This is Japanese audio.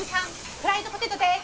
フライドポテトです。